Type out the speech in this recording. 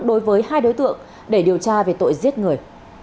đối với hai đối tượng để điều tra về tội giết người